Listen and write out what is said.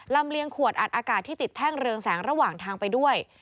เลียงขวดอัดอากาศที่ติดแท่งเรืองแสงระหว่างทางไปด้วย